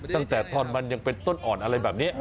ตั้งแต่ตอนมันยังเป็นต้นอ่อนอะไรแบบนี้